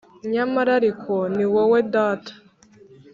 nyamara ariko, ni wowe data!